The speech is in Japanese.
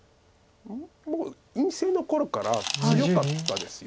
もう院生の頃から強かったです。